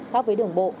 khác với đường bộ